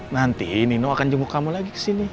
nanti nino akan jemput kamu lagi kesini